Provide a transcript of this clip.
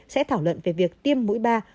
sẽ thảo luận về việc tiêm mũi ba cho omicron